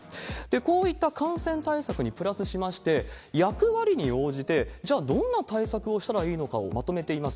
こういった感染対策にプラスしまして、役割に応じて、じゃあ、どんな対策をしたらいいのかまとめてあります。